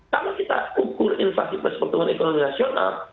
kalau kita ukur inflasi pertumbuhan ekonomi nasional